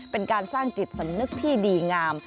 เป็นการสร้างจิตสำนึกที่ดีงาม